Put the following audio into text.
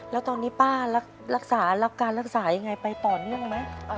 แล้วตอนนี้ป้ารักษารับการรักษายังไงไปต่อเนื่องไหม